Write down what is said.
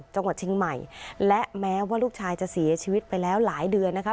จังหวัดเชียงใหม่และแม้ว่าลูกชายจะเสียชีวิตไปแล้วหลายเดือนนะคะ